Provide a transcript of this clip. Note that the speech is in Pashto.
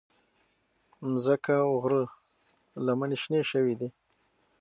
مځکه او غره لمنې شنې شوې دي.